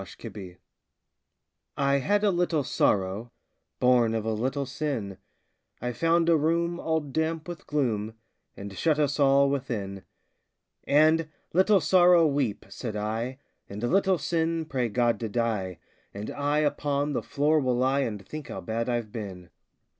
The Penitent I had a little Sorrow, Born of a little Sin, I found a room all damp with gloom And shut us all within; And, "Little Sorrow, weep," said I, "And, Little Sin, pray God to die, And I upon the floor will lie And think how bad I've been!"